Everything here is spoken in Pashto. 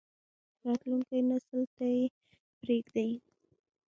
راتلونکی نسل ته یې پریږدئ